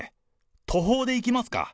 途方でいきますか。